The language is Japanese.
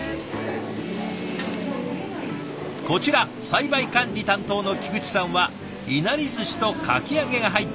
こちら栽培管理担当の菊池さんはいなりずしとかき揚げが入ったそば弁当をチョイス。